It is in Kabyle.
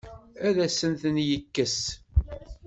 Ad asen-ten-yekkes?